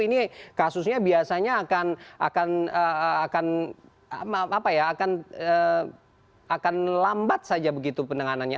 ini kasusnya biasanya akan lambat saja begitu penanganannya